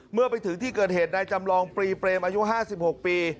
เมื่อไปถึงที่เกิดเหตุนายจำลองปรีเปรมอายุ๕๖ปี